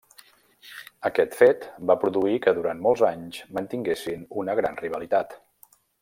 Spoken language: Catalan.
Aquest fet va produir que durant molts anys mantinguessin una gran rivalitat.